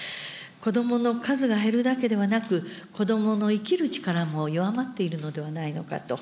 こどもの数が減るだけではなく、子どもの生きる力も弱まっているのではないのかと。